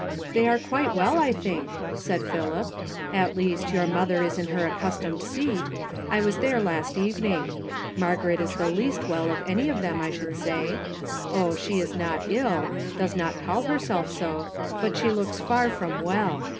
"They are quite well, I think," said Philip; "at least your mother is in her accustomed seat. I was there last evening. INIargaret is the least well of any of them, I should say. Oh, she is not ill, does not call herself so, but she looks far from well.